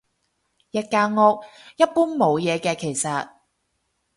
一間屋，一般冇嘢嘅其實